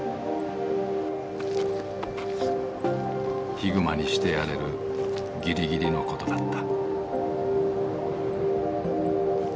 ヒグマにしてやれるぎりぎりのことだった。